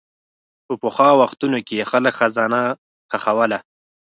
په پخوا وختونو کې خلک خزانه ښخوله.